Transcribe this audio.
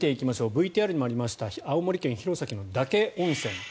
ＶＴＲにもありました青森県弘前の獄温泉。